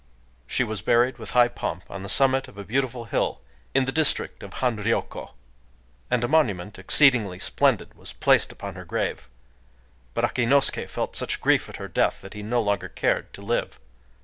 She was buried, with high pomp, on the summit of a beautiful hill in the district of Hanryōkō; and a monument, exceedingly splendid, was placed upon her grave. But Akinosuké felt such grief at her death that he no longer cared to live.